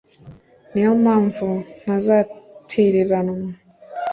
ni yo mpamvu ntazatereranwa